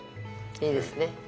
いいですね。